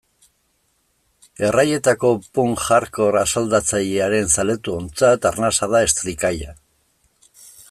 Erraietako punk-hardcore asaldatzailearen zaletuontzat arnasa da Estricalla.